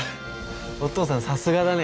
お父さんさすがだね。